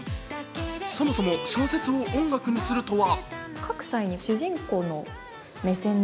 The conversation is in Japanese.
そもそも小説を音楽にするとは？